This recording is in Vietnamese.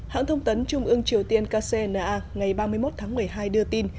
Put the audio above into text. hãng thông tấn trung ương triều tiên kcna ngày ba mươi một tháng một mươi hai đưa tin